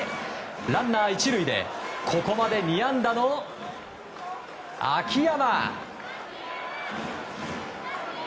ランナー１塁でここまで２安打の秋山。